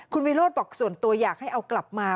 คุณวิโรธบอกส่วนตัวอยากให้เอากลับมา